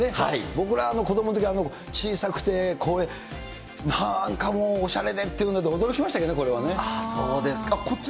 僕ら子どものときは小さくて、これなんかもう、おしゃれでっていうので、驚きましたけどね、そうですか。